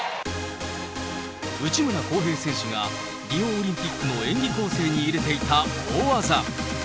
内村航平選手が、リオオリンピックの演技構成に入れていた大技。